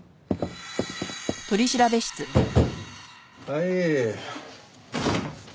はい。